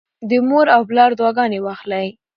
د مور او پلار دعاګانې واخلئ.